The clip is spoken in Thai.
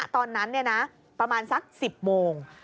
ตอนนั้นประมาณสัก๑๐โมง